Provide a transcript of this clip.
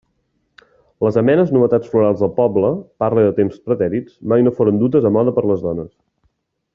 Les amenes novetats florals del poble —parle de temps pretèrits— mai no foren dutes a moda per les dones.